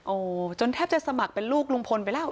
โอ้โหจนแทบจะสมัครเป็นลูกลุงพลไปแล้ว